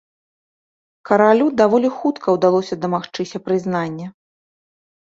Каралю даволі хутка ўдалося дамагчыся прызнання.